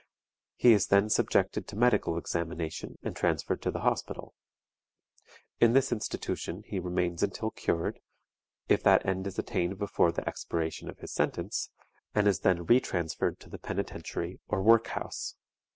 He is then subjected to medical examination and transferred to the Hospital. In this institution he remains until cured, if that end is attained before the expiration of his sentence, and is then re transferred to the Penitentiary or Work house.